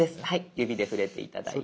指で触れて頂いて。